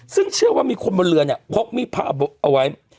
ซึ่งเชื่อว่ามีคนบนเรือเนี่ยพกมีดพระเอาไว้